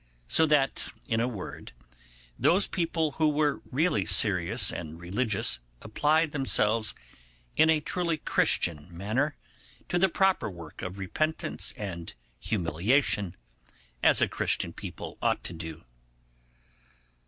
So that, in a word, those people who were really serious and religious applied themselves in a truly Christian manner to the proper work of repentance and humiliation, as a Christian people ought to do.